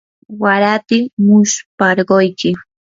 waratim musparquyki.